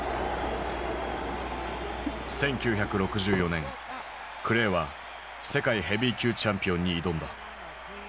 １９６４年クレイは世界ヘビー級チャンピオンに挑んだ。